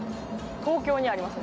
東京にありますね。